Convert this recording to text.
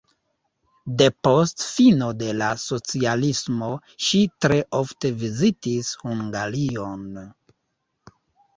Depost fino de la socialismo ŝi tre ofte vizitis Hungarion.